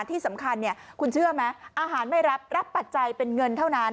ที่สำคัญคุณเชื่อไหมอาหารไม่รับรับปัจจัยเป็นเงินเท่านั้น